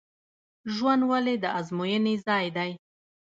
ژوند ولې د ازموینې ځای دی؟